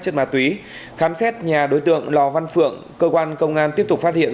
chất ma túy khám xét nhà đối tượng lò văn phượng cơ quan công an tiếp tục phát hiện